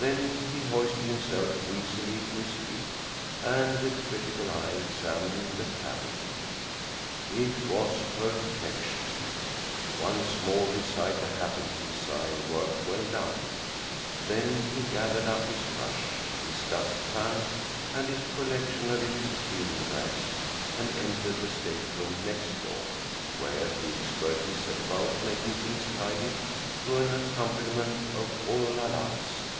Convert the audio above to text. Then he hoisted himself wheezily to his feet and with critical eye examined the cabin. It was perfection. Once more he sighed the happy little sigh of work well done; then he gathered up his brush, his dustpan and his collection of little cleaning rags and entered the stateroom next door, where he expertly set about making things tidy to an accompaniment of "Oo la las."